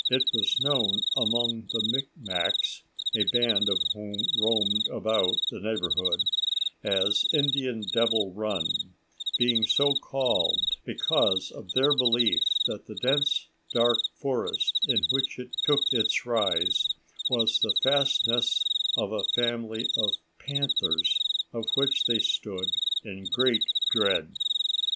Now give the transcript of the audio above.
It was known among the Mic Macs, a band of whom roamed about the neighbourhood, as Indian Devil Run, being so called because of their belief that the dense dark forest in which it took its rise was the fastness of a family of panthers, of which they stood in great dread.